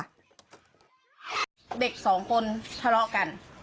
เด็กสองคนทะเลาะกัน